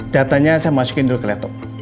datanya saya masukin dulu ke laptop